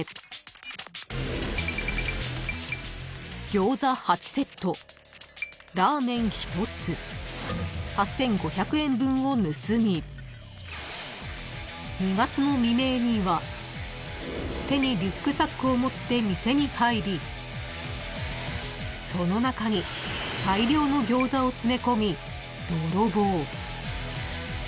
［餃子８セットラーメン１つ８，５００円分を盗み２月の未明には手にリュックサックを持って店に入りその中に大量の餃子を詰め込みドロボー］